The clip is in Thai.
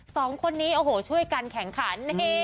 สองคนนี้โอ้โหช่วยกันแข่งขัน